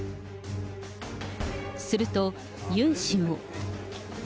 するとユン氏も。